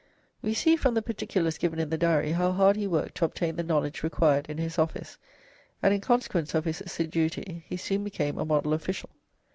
We see from the particulars given in the Diary how hard he worked to obtain the knowledge required in his office, and in consequence of his assiduity he soon became a model official.